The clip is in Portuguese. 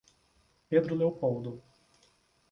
Pedro Leopoldo